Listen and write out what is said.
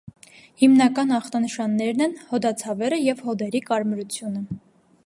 Հիմնական ախտանշաններն են հոդացավերը և հոդերի կարկամությունը։